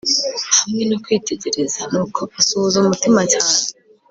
hamwe no kwitegereza; nuko asuhuza umutima cyane